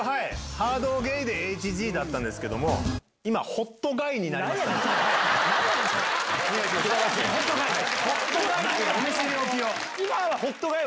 ハードゲイでＨＧだったんですけども、今、ホットガイになりましホットガイ。